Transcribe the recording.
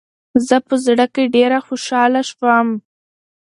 زه په زړه کې ډېره خوشحاله شوم .